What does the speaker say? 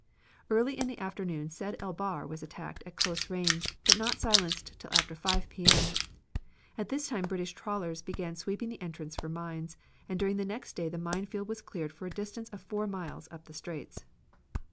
Early in the afternoon Sedd el Bahr was attacked at close range, but not silenced till after 5 P.M. At this time British trawlers began sweeping the entrance for mines, and during the next day the mine field was cleared for a distance of four miles up the straits.